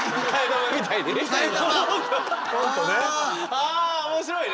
あ面白いね。